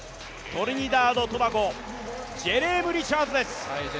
トリニダード・トバゴ、ジェレーム・リチャーズです。